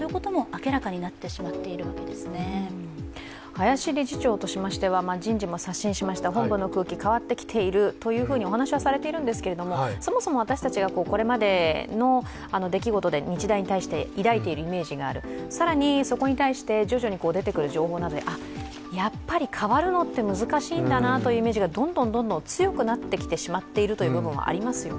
林理事長としましては人事も刷新しました、本部の空気、変わってきているというふうにお話はされているんですけれどもそもそも私たちがこれまでの出来事で日大に対して抱いているイメージがある、更にそこに対して徐々に出てくる情報などでやっぱり変わるのって難しいんだなというイメージがどんどん強くなってきてしまっているという部分はありますよね。